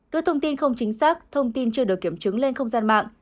đưa thông tin không chính xác thông tin chưa được kiểm chứng lên không gian mạng